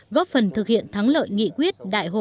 góp lợi nghị quyết